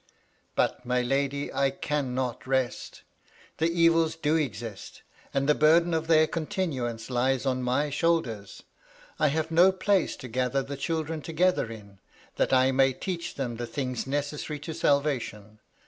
" But, my lady, I cannot rest The evils do exist, and the burden of their continuance lies on my shoulders. I have no place to gather the children together in, that I may teach them the things necessary to salvation.